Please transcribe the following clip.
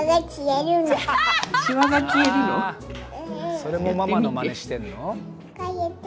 それもママのマネしてるの？